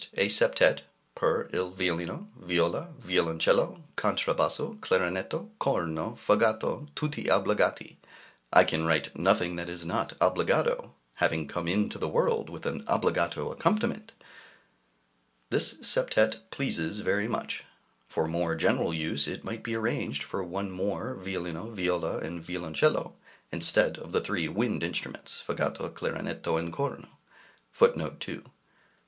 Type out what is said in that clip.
A Septet, per il violino, viola, violoncello, contra basso, clarinetto, corno, fagotto; tutti obbligati (I can write nothing that is not obbligato, having come into the world with an obbligato accompaniment!) This Septet pleases very much. For more general use it might be arranged for one more violino, viola, and violoncello, instead of the three wind instruments, fagotto, clarinetto, and corno. 2d.